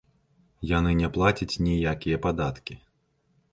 Яны не плацяць ніякія падаткі.